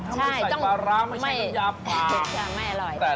ถ้าไม่ใส่ปลาร้าไม่ใช่น้ำยาปลา